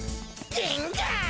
ゲンガー！